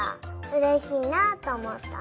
うれしいなあとおもった。